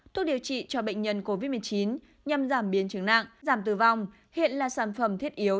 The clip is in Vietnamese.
thuốc điều trị cho bệnh nhân covid một mươi chín nhằm giảm biến chứng nặng giảm tử vong hiện là sản phẩm thiết yếu